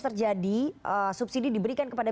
terjadi subsidi diberikan kepada